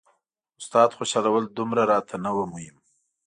استاد خوشحالول دومره راته نه وو مهم.